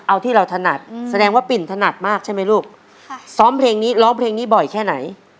เอาที่เราถนัดแสดงว่าปิ่นถนัดมากใช่ไหมลูกซ้อมเพลงนี้ร้องเพลงนี้บ่อยแค่ไหน